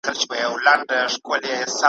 ورته جوړ د هر پمن د خنجر وار وي ,